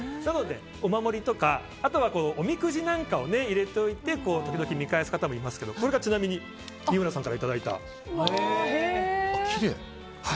お守りとかおみくじなんかを入れておいて時々見返す方もいますけどこれがちなみに三村さんからいただいた。